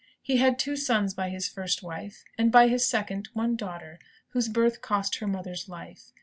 He had two sons by his first wife; and, by his second, one daughter, whose birth cost her mother's life.